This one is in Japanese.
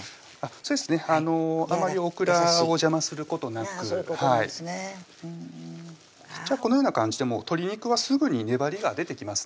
そうですねあまりオクラを邪魔することなくじゃあこのような感じでもう鶏肉はすぐに粘りが出てきますね